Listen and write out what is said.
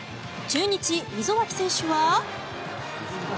中日、溝脇選手は。